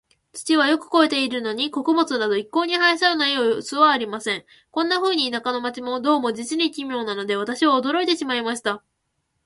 土はよく肥えているのに、穀物など一向に生えそうな様子はありません。こんなふうに、田舎も街も、どうも実に奇妙なので、私は驚いてしまいました。